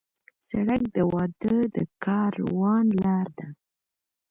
سړک د واده د کاروان لار ده.